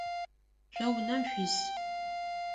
Шъо унэм шъуис?